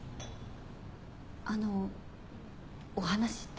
あのお話って？